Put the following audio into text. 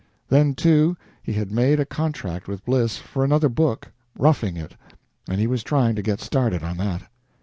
Then, too, he had made a contract with Bliss for another book "Roughing It" and he was trying to get started on that.